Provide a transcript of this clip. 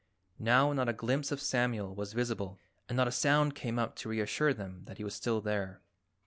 Now not a glimpse of Samuel was visible and not a sound came up to reassure them that he was still there.